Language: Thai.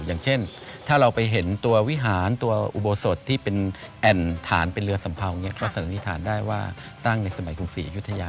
อย่างเช่นถ้าเราไปเห็นตัววิหารตัวอุโบสถที่เป็นแอ่นฐานเป็นเรือสัมเภาก็สันนิษฐานได้ว่าตั้งในสมัยกรุงศรียุธยา